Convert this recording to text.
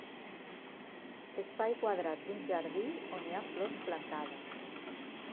Espai quadrat d'un jardí on hi ha flors plantades.